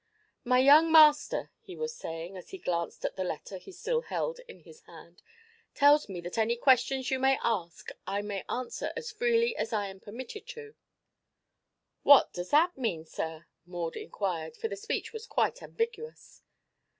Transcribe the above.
"My young master," he was saying, as he glanced at the letter he still held in his hand, "tells me that any questions you may ask I may answer as freely as I am permitted to." "What does that mean, sir?" Maud inquired, for the speech was quite ambiguous.